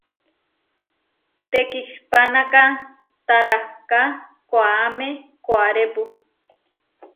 Tekihpanáka, taráhka koʼáme koʼárepu.